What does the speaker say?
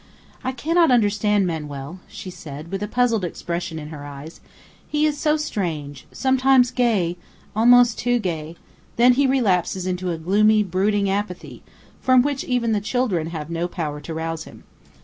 "I cannot understand Manuel," she said, with a puzzled expression in her eyes; "he is so strange, sometimes gay almost too gay; then he relapses into a gloomy, brooding apathy, from which even the children have no power to rouse him."